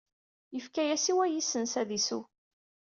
Yefka-as i wayis-nnes ad isew.